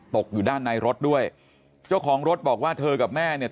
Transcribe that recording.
อยู่ด้านในรถด้วยเจ้าของรถบอกว่าเธอกับแม่เนี่ย